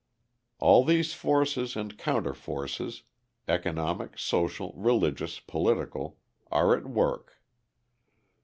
All these forces and counter forces economic, social, religious, political are at work.